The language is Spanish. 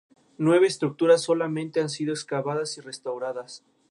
Todos escritos y dibujados por "Howard Post".